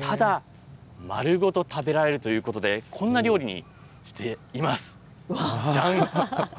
ただ、まるごと食べられるということで、こんな料理にしています。じゃん。